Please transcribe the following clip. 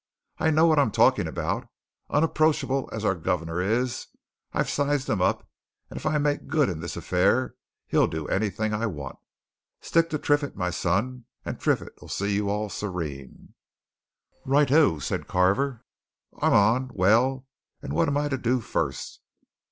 I know what I'm talking about unapproachable as our guv'nor is, I've sized him up, and if I make good in this affair, he'll do anything I want. Stick to Triffitt, my son, and Triffitt'll see you all serene!" "Right oh!" said Carver. "I'm on. Well, and what am I to do, first?"